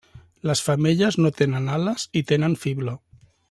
Les femelles no tenen ales i tenen fibló.